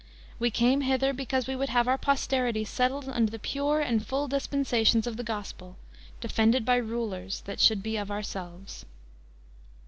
~.~.~. We came hither because we would have our posterity settled under the pure and full dispensations of the gospel, defended by rulers that should be of ourselves."